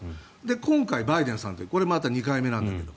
今回、バイデンさんというこれまた２回目なんだけど。